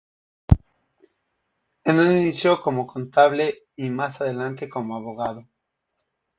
En un inicio como contable y más adelante como abogado.